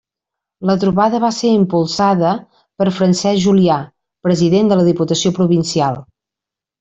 La trobada va ser impulsada per Francesc Julià, president de la Diputació Provincial.